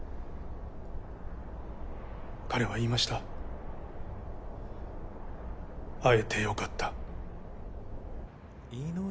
彼は言いました「会えて良かった」。